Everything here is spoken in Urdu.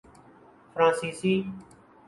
فرانسیسی